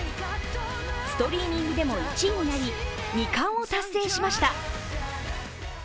ストリーミングでも１位になり、２冠を達成しました。